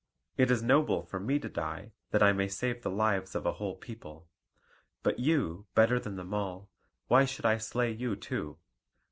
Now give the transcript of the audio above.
It is noble for me to die, that I may save the lives of a whole people; but you, better than them all, why should I slay you too?